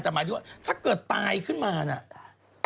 มันต้องมาดูถ้าเกิดตายขึ้นมาเนี่ย